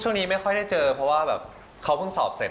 ช่วงนี้ไม่ค่อยให้เจอเพราะเขาเพิ่งสอบเสร็จ